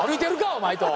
お前と。